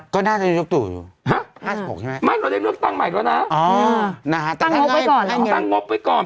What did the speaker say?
ก็น่าจะยุคตุอยู่ห้ะ๕๖ใช่ไหมครับตั้งใหม่แล้วนะตั้งงบไว้ก่อน